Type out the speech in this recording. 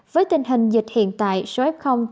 với tình hình dịch hiện tại số f ghi nhận trong nước là